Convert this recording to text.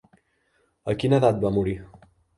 A quina edat va morir?